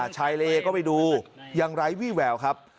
เลก็ไปดูยังไร้วี่แววครับ